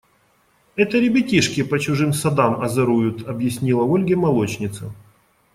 – Это ребятишки по чужим садам озоруют, – объяснила Ольге молочница.